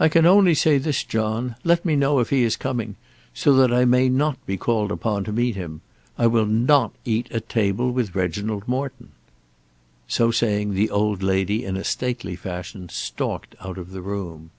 "I can only say this, John; let me know if he is coming, so that I may not be called upon to meet him. I will not eat at table with Reginald Morton." So saying the old lady, in a stately fashion, stalked out of the room.